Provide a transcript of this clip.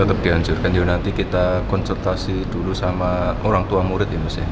tetap dihancurkan ya nanti kita konsultasi dulu sama orang tua murid ini sih